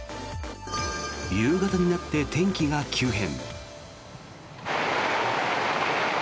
夕方になって天気が急変。